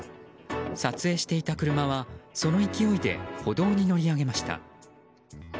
撮影していた車は、その勢いで歩道に乗り上げました。